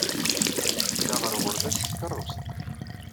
Tedda ɣer uɣerbaz s tkeṛṛust.